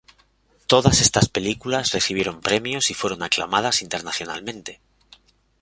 Todas estas películas recibieron premios y fueron aclamadas internacionalmente.